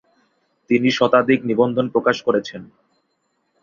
তিনি শতাধিক নিবন্ধ প্রকাশ করেছেন।